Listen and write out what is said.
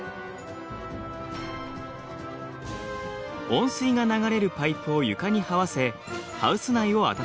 温水が流れるパイプを床にはわせハウス内を暖めます。